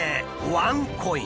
ワンコイン」。